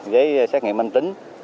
với xét nghiệm manh tính